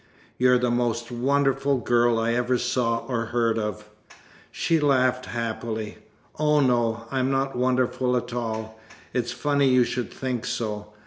"You're the most wonderful girl I ever saw or heard of." She laughed happily. "Oh no, I'm not wonderful at all. It's funny you should think so.